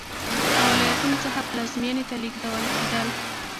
له ولایتونو څخه پلازمېنې ته لېږدول کېدل.